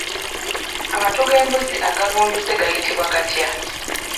Amatu g'embuzi agabunduse gayitibwa gatya?